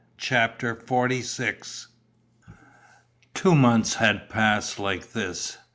CHAPTER XLVI Two months had passed like this.